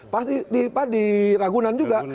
pasti di ragunan juga